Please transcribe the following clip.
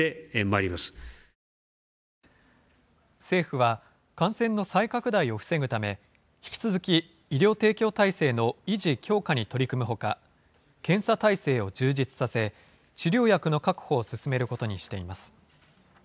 政府は感染の再拡大を防ぐため、引き続き医療提供体制の維持・強化に取り組むほか、検査体制を充実させ、治療薬の確保を進めることにしています。